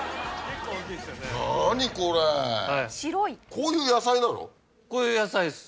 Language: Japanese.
こういう野菜です。